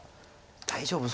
大丈夫？